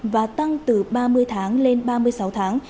và tăng từ ba mươi tháng lên ba mươi sáu tháng